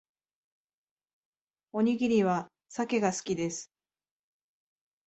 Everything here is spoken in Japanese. おにぎりはサケが好きです